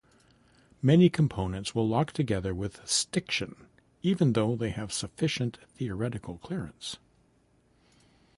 Many components will lock together with stiction even though they have sufficient theoretical clearance.